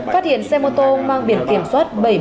phát hiện xe mô tô mang biển kiểm soát